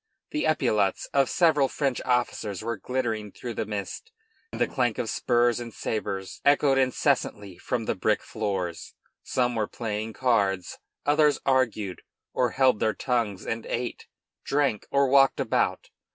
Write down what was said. The epaulets of several French officers were glittering through the mist, and the clank of spurs and sabres echoed incessantly from the brick floor. Some were playing cards, others argued, or held their tongues and ate, drank, or walked about.